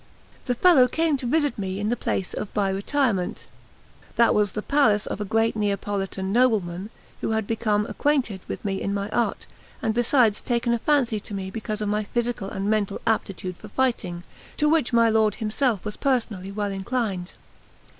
The fellow came to visit me in the place of by retirement; that was the palace of a great Neapolitan nobleman, who had become acquainted with me in my art, and had besides taken a fancy to me because of my physical and mental aptitude for fighting, to which my lord himself was personally well inclined.